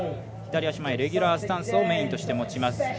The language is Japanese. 左足前、レギュラースタンスをメインとして持ちます。